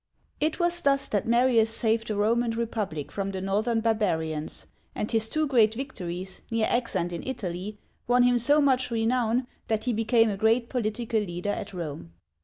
^ It was thus that Marius saved the Roman Republic from the northern barbarians, and his two great victories (near Aix and in Italy) won him so much renown that he became a great political leader at Rome.